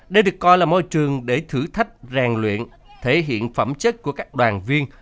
đây được coi là môi trường để thử thách rèn luyện thể hiện phẩm chất của các đoàn viên